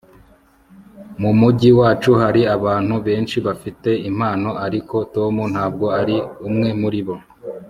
mu mujyi wacu hari abantu benshi bafite impano, ariko tom ntabwo ari umwe muri bo